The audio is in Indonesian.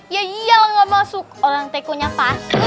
ya iyalah enggak masuk orang tekonya pas